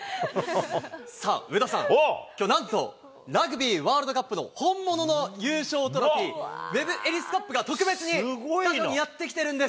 さあ、上田さん、きょう、なんとラグビーワールドカップの本物の優勝トロフィー、ウェブ・エリス・カップが特別にスタジオにやって来てるんです。